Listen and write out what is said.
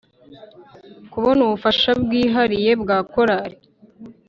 kubona ubufasha bwihariye bwa korali